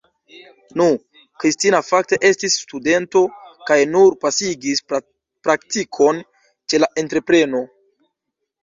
Nu, Kristina fakte estis studento kaj nur pasigis praktikon ĉe la entrepreno.